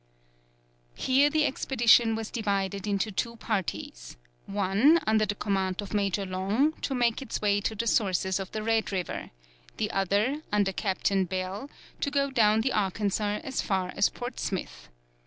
Here the expedition was divided into two parties, one, under the command of Major Long, to make its way to the sources of the Red River, the other, under Captain Bell, to go down the Arkansas as far as Port Smith.